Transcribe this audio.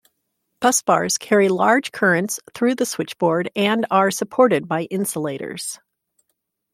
Busbars carry large currents through the switchboard, and are supported by insulators.